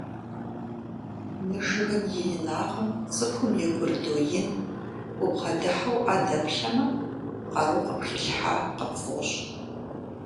Мы жыгым и инагъым цӀыхум и гур доин, убгъэдыхьэу Ӏэ дэплъэмэ, къару къыпхилъхьа къыпфӀощӀ.